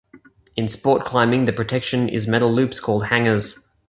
In sport climbing the protection is metal loops called hangers.